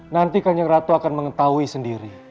nanti kanjeng ratu akan mengetahui sendiri